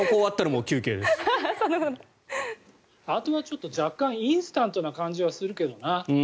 あとは若干インスタントな感じはするけどな。